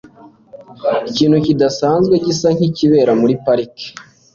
Ikintu kidasanzwe gisa nkikibera muri parike.